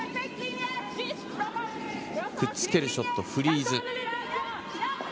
くっつけるショット、フリーズ。